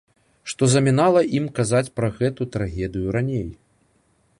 Што замінала ім казаць пра гэту трагедыю раней?